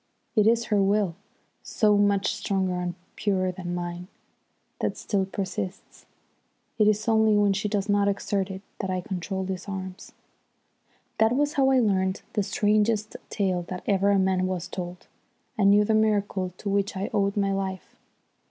It is her will, so much stronger and purer than mine, that still persists. It is only when she does not exert it that I control these arms." That was how I learnt the strangest tale that ever a man was told, and knew the miracle to which I owed my life.